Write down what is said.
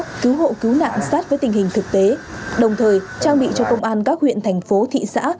và cứu hộ cứu nạn sát với tình hình thực tế đồng thời trang bị cho công an các huyện thành phố thị xã